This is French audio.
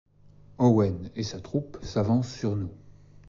Owen et sa troupe s’avancent sur nous.